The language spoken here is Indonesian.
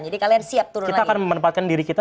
jadi kalian siap turun lagi kita akan memanfaatkan diri kita